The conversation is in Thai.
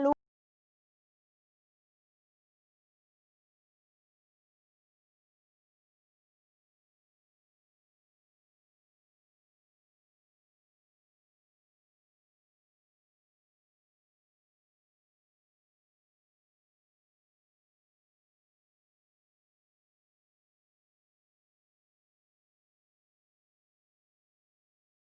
โรงพยาบาลวิทยาลัยโรงพยาบาลวิทยาลัยโรงพยาบาลวิทยาลัยโรงพยาบาลวิทยาลัย